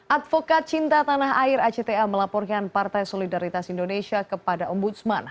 advokat cinta tanah air acta melaporkan partai solidaritas indonesia kepada ombudsman